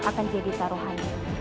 akan jadi taruhan